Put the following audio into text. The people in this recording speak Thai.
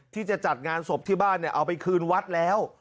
ที่จะจัดงานศพที่บ้านเอาไปคืนวัดแล้ว